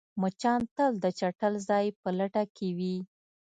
مچان تل د چټل ځای په لټه کې وي